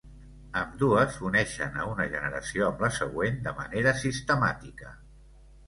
Ambdues uneixen a una generació amb la següent de manera sistemàtica.